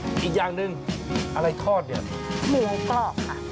อีกอย่างหนึ่งอะไรทอดเนี่ยหมูกรอบค่ะ